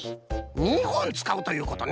２ほんつかうということね。